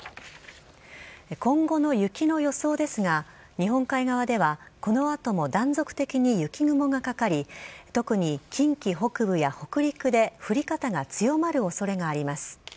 今後の雪の予想ですが、日本海側ではこのあとも断続的に雪雲がかかり、特に近畿北部や北陸で、降り方が強まるおそれがあります。